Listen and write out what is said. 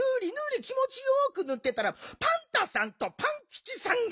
よくぬってたらパンタさんとパンキチさんが。